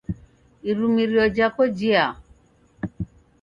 Irumirio jhako jiao?